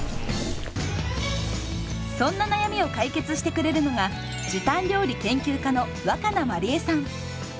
そんな悩みを解決してくれるのが時短料理研究家の若菜まりえさん。